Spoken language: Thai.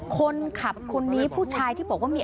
คนนี้ผู้ชายที่บอกว่ามี